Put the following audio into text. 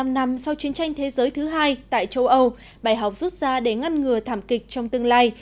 bảy mươi năm năm sau chiến tranh thế giới thứ hai tại châu âu bài học rút ra để ngăn ngừa thảm kịch trong tương lai